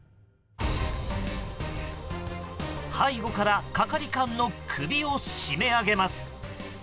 背後から、係官の首を絞め上げます。